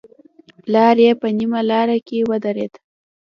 پلار يې په نيمه لاره کې ودرېد.